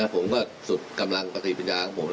ผมก็สุดกำลังปฏิปัญญาของผม